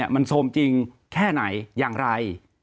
มันโซมจริงแค่ไหนอย่างไร